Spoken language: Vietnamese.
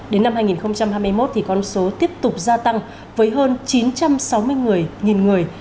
đến năm hai nghìn hai mươi một con số tiếp tục gia tăng với hơn chín trăm sáu mươi người